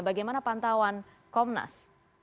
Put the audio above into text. bagaimana pantauan komnas